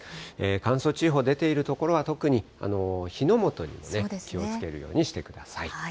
乾燥注意報出ている所は特に、火の元にもね、気をつけるようにしてください。